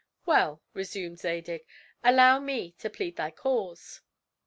"Well," resumed Zadig, "allow me to plead thy cause."